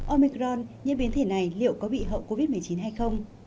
omicron những biến thể này liệu có bị hậu covid một mươi chín hay không